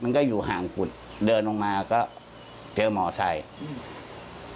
มันก็อยู่ห่างกุฏิออกเดินลงมาก็เจอมอเตอร์ไซค์